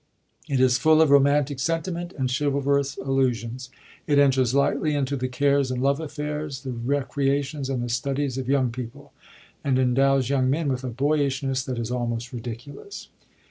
It is full of romantic sentiment and chivalrous allusions. It enters lightly into the cares and love affairs, the recreations and the studies of young people, and endows young men with a boyishness that is almost ridiculous.